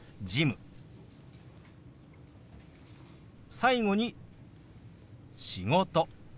最後に「仕事」。